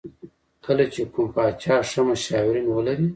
کله چې کوم پاچا ښه مشاورین ولري.